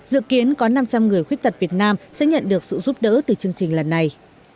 dự kiến có năm trăm linh người khuyết tật việt nam sẽ nhận được sự giúp đỡ từ chương trình lần này